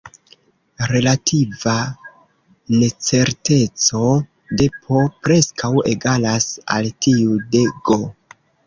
Relativa necerteco de "P" preskaŭ egalas al tiu de "G".